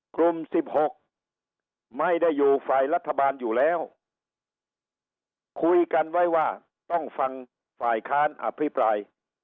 กลุ่ม๑๖ไม่ได้อยู่ฝ่ายรัฐบาลอยู่แล้วคุยกันไว้ว่าต้องฟังฝ่ายค้านอภิปราย